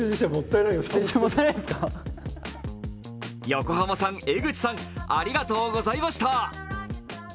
横浜さん、江口さんありがとうございました。